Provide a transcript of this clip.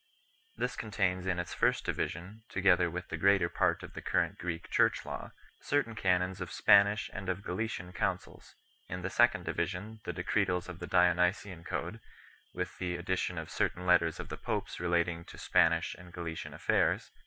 This contains in its first division, together with the greater part of the current Greek Church law, certain canons of Spanish and of Gallican councils ; in the second division the decretals of the Dionysian Code, with the addition of certain letters of the popes relating to Spanish and Galli can affairs.